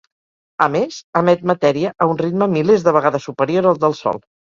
A més, emet matèria a un ritme milers de vegades superior al del Sol.